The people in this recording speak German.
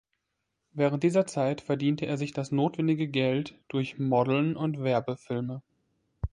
Während dieser Zeit verdiente er sich das notwendige Geld durch modeln und Werbefilme.